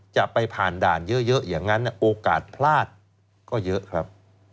จะไปผ่านด่านเยอะอย่างนั้นโอกาสพลาดก็เยอะครับ